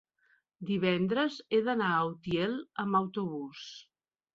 Divendres he d'anar a Utiel amb autobús.